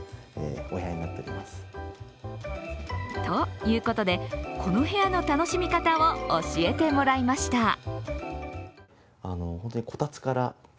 ということで、この部屋の楽しみ方を教えてもらいました。